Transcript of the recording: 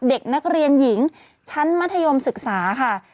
เด็กนักเรียนหญิงชั้นมัธยมศึกษาค่ะ